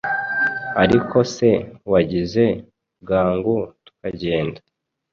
Ariko se wagize bwangu tukagenda